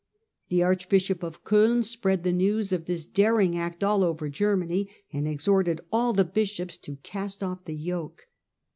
The archbishop of Coin spread the news of this daring act all over Germany, and exhorted all the bishops to cast off the yoke.